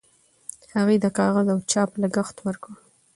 هغې د کاغذ او چاپ لګښت ورکړ.